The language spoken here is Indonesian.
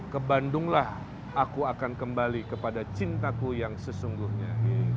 ke bandunglah aku akan kembali kepada cintaku yang sesungguhnya